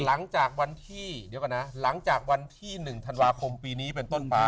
หลังจากวันที่เดี๋ยวก่อนนะหลังจากวันที่๑ธันวาคมปีนี้เป็นต้นไป